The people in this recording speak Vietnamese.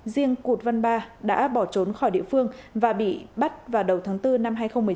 riêng cụt văn ba đã bỏ trốn khỏi địa phương và bị bắt vào đầu tháng bốn năm hai nghìn một mươi tám